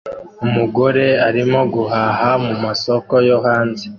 Umugore arimo guhaha mumasoko yo hanze